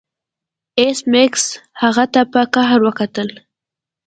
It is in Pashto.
ایس میکس هغه ته په قهر وکتل